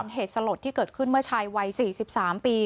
กับเหตุสลดที่เกิดขึ้นเมื่อชายวัยสี่สิบสามปี